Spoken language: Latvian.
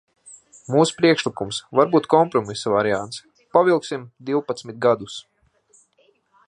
Mūsu priekšlikums, varbūt kompromisa variants: pavilksim divpadsmit gadus.